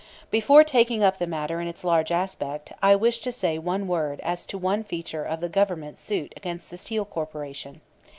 Before taking up the matter in its large aspect, I wish to say one word as to one feature of the Government suit against the Steel Corporation.